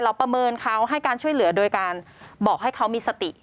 ประเมินเขาให้การช่วยเหลือโดยการบอกให้เขามีสติ